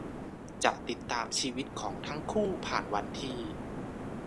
จะติดตามชีวิตของทั้งคู่ผ่านวันที่